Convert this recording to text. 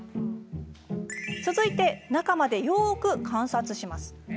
続いて、中までよく観察。